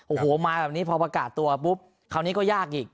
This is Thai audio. โอ้โหมาแบบนี้พอประกาศตัวปุ๊บคราวนี้ก็ยากอีก